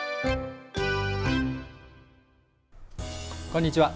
こんにちは。